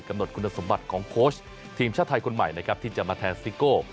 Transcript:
จำหนดคุณสมบัติของโค้ชทีมชาติไทยคนใหม่ที่จะมาแทนสิโก